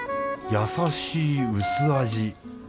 優しい薄味。